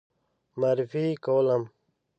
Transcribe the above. معرفي کولم.